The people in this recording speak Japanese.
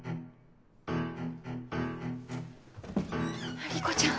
あ理子ちゃん。